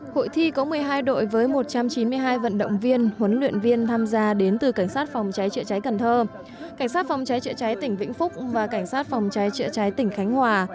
hội thi có một mươi hai đội với một trăm chín mươi hai vận động viên huấn luyện viên tham gia đến từ cảnh sát phòng cháy chữa cháy cần thơ cảnh sát phòng cháy chữa cháy tỉnh vĩnh phúc và cảnh sát phòng cháy chữa cháy tỉnh khánh hòa